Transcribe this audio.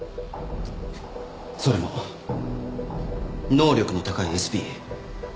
それも能力の高いＳＰ。